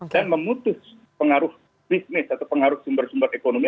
dan memutus pengaruh bisnis atau pengaruh sumber sumber ekonomi